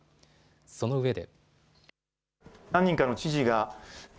そのうえで。